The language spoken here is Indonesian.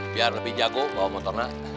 biar lebih jago bawa motornya